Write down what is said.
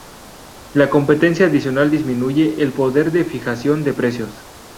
La competencia adicional disminuye el poder de fijación de precios.